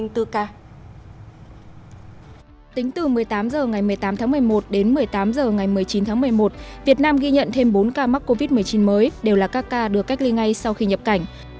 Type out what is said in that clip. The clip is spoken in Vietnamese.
tính từ một mươi tám h ngày một mươi tám tháng một mươi một đến một mươi tám h ngày một mươi chín tháng một mươi một việt nam ghi nhận thêm bốn ca mắc covid một mươi chín mới đều là các ca được cách ly ngay sau khi nhập cảnh